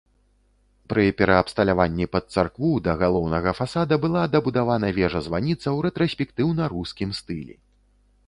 Пры пераабсталяванні пад царкву да галоўнага фасада была дабудавана вежа-званіца ў рэтраспектыўна-рускім стылі.